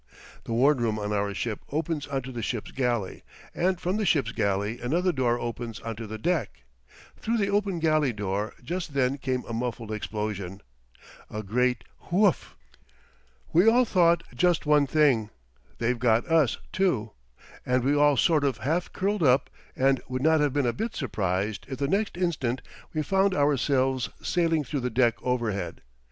The ward room on our ship opens onto the ship's galley; and from the ship's galley another door opens onto the deck. Through the open galley door just then came a muffled explosion a great Woof! We all thought just one thing they've got us too! and we all sort of half curled up, and would not have been a bit surprised if the next instant we found ourselves sailing through the deck overhead.